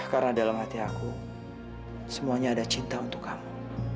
karena dalam hati aku semuanya ada cinta untuk kamu